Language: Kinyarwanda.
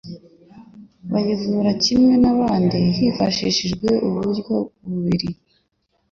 bayivura kimwe n'ahandi hifashishijwe uburyo bubiri,